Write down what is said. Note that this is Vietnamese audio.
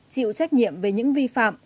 chịu trách nhiệm về những vi phạm